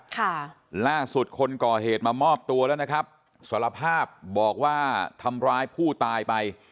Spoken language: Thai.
ค่ะล่าสุดคนก่อเหตุมามอบตัวแล้วนะครับสารภาพบอกว่าทำร้ายผู้ตายไป